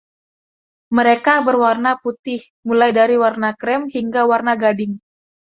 Mereka berwarna putih, mulai dari warna krem hingga warna gading.